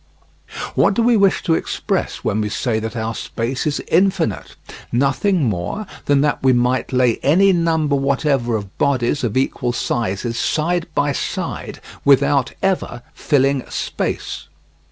What do we wish to express when we say that our space is infinite? Nothing more than that we might lay any number whatever of bodies of equal sizes side by side without ever filling space.